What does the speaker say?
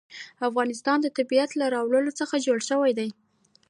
د افغانستان طبیعت له واوره څخه جوړ شوی دی.